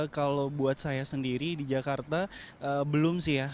kalau buat saya sendiri di jakarta belum sih ya